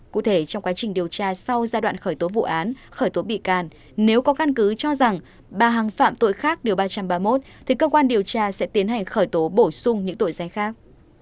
cụ thể trong quá trình điều tra sau giai đoạn khởi tố vụ án khởi tố bị can nếu có căn cứ cho rằng bà hằng phạm tội khác điều ba trăm ba mươi một thì cơ quan điều tra sẽ tiến hành khởi tố bổ sung những tội danh khác